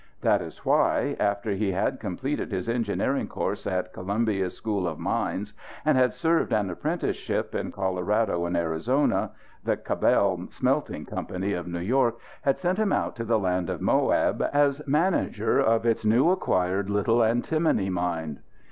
That was why after he had completed his engineering course at Columbia's school of mines and had served an apprenticeship in Colorado and Arizona the Cabell Smelting Company of New York had sent him out to the Land of Moab, as manager of its new acquired little antimony mine.